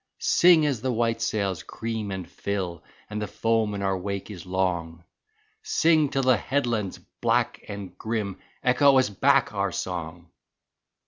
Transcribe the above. Sing as the white sails cream and fill, And the foam in our wake is long. Sing till the headlands black and grim Echo us back our song!